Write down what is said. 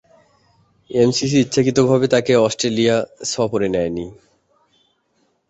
MCC ইচ্ছাকৃতভাবে তাকে Australia সফরে নেয়নি।